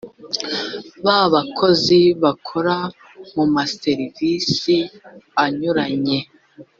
ababakozi bakora mu maserivisi anyuranye